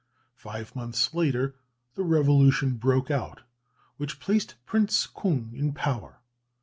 Five months later the revolution broke out which placed Prince Kung in power.